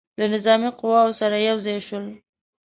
له نظامي قواوو سره یو ځای شول.